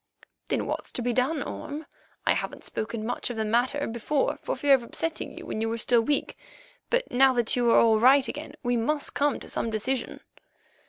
"Then what's to be done, Orme? I haven't spoken much of the matter before for fear of upsetting you when you were still weak, but now that you are all right again we must come to some decision."